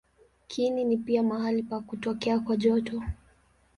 Kiini ni pia mahali pa kutokea kwa joto.